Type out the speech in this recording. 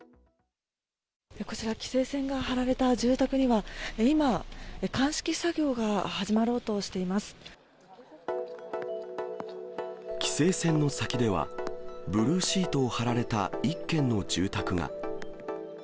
こちら、規制線が張られた住宅には、今、規制線の先では、ブルーシートを張られた一軒の住宅が。